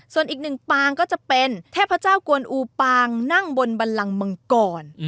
ส่วนอีกหนึ่งปางก็จะเป็นเทพเจ้ากวนอูปางนั่งบนบันลังมังกร